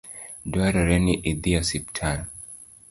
Dwarore ni idhi osiptal